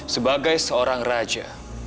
sebagai seorang raja